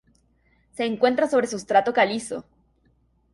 Se encuentra sobre sustrato calizo.